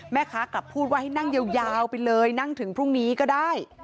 กลับพูดว่าให้นั่งยาวไปเลยนั่งถึงพรุ่งนี้ก็ได้